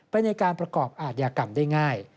ไปในการประกอบอาทยากรรมได้ง่าย